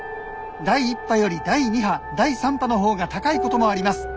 第１波より第２波第３波の方が高いこともあります。